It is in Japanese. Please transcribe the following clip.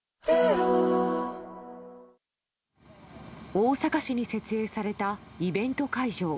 大阪市に設営されたイベント会場。